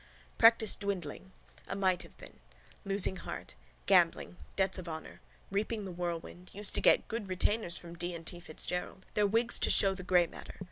Practice dwindling. A mighthavebeen. Losing heart. Gambling. Debts of honour. Reaping the whirlwind. Used to get good retainers from D. and T. Fitzgerald. Their wigs to show the grey matter.